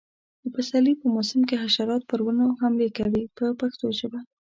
د پسرلي په موسم کې حشرات پر ونو حملې کوي په پښتو ژبه.